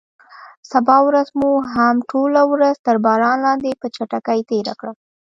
سبا ورځ مو هم ټوله ورځ تر باران لاندې په چټکۍ تېره کړه.